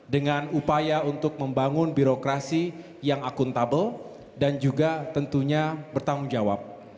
dengan upaya untuk membangun birokrasi yang akuntabel dan juga tentunya bertanggung jawab